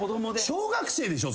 小学生でしょ？